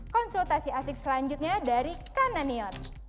konsultasi asik selanjutnya dari kananion